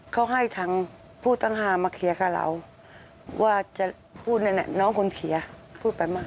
เขาให้ทางผู้ต้องหามาเคลียร์กับเราว่าจะพูดนั่นน้องคนเคลียร์พูดไปมาก